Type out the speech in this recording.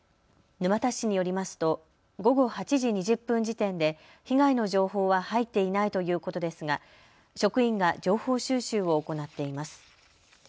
沼田市によりますと午後８時２０分時点で被害の情報は入っていないということですが、職員が情報収集を行っています。